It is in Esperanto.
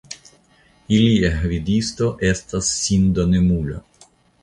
Ilia gvidisto estas "sindonemulo".